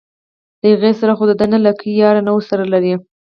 له هغې سره خو دده نه لګي یاري نه ورسره لري.